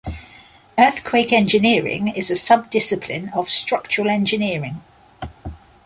Earthquake engineering is a sub-discipline of structural engineering.